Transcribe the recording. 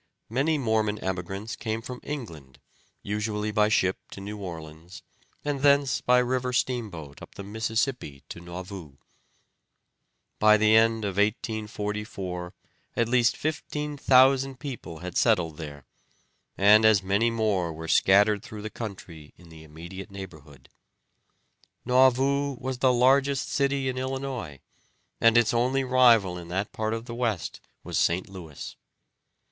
Many Mormon emigrants came from England, usually by ship to New Orleans, and thence by river steamboat up the Mississippi to Nauvoo. By the end of 1844 at least fifteen thousand people had settled there, and as many more were scattered through the country in the immediate neighborhood. Nauvoo was the largest city in Illinois, and its only rival in that part of the West was St. Louis.